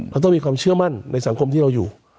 เราต้องมีความเชื่อมั่นในสังคมที่เราอยู่